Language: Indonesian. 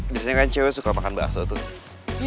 biasanya kan cewek suka makan bakso tuh